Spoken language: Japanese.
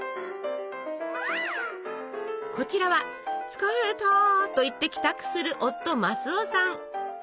こちらは「つかれた」と言って帰宅する夫マスオさん。